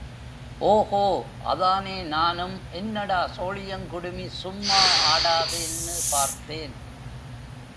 ஓகோ அதானே நானும் என்னடா சோழியங் குடுமி சும்மா ஆடாதேன்னு பார்த்தேன்.